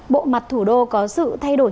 bộ mặt thủ đô có sự thay đổi